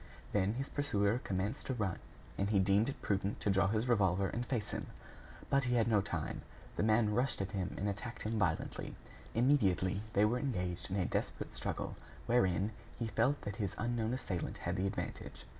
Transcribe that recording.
Then his pursuer commenced to run; and he deemed it prudent to draw his revolver and face him. But he had no time. The man rushed at him and attacked him violently. Immediately, they were engaged in a desperate struggle, wherein he felt that his unknown assailant had the advantage.